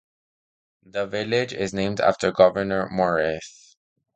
The village is named after Gouverneur Morris.